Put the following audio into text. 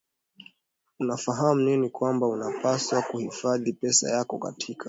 unafahamu nini kwamba unapaswa kuhifadhi pesa yako katika